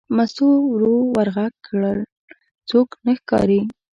مستو ورو ور غږ کړل: څوک نه ښکاري.